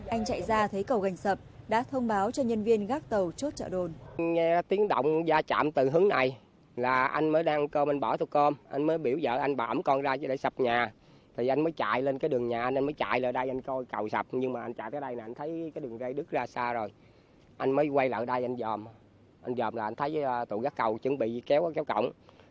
anh chạy ra thấy cầu gành sập đã thông báo cho nhân viên gác tàu chốt trợ đồn